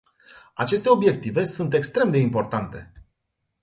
Aceste obiective sunt extreme de importante.